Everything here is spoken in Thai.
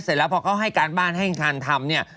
เสร็จแล้วพอเขาให้การบ้านให้การทำเนี่ย